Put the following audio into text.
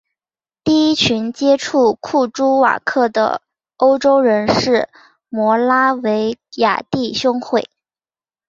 第一群接触库朱瓦克的欧洲人是摩拉维亚弟兄会。